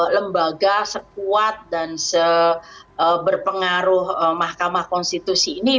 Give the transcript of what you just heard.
lembaga sekuat dan berpengaruh mahkamah konstitusi ini